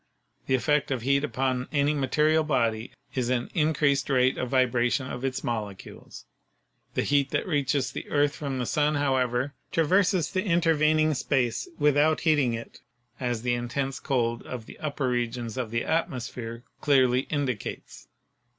The effect of heat upon any material body is an in creased rate of vibration of its molecules. The heat that reaches the earth from the sun, however, traverses the intervening space without heating it, as the intense cold of the upper regions of the atmosphere clearly indicates.